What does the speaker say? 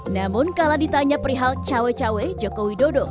namun kala ditanya perihal cawe cawe joko widodo